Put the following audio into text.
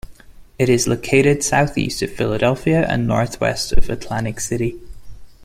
It is located southeast of Philadelphia and northwest of Atlantic City.